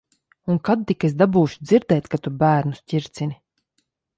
Un kad tik es dabūšu dzirdēt, ka tu bērnus ķircini.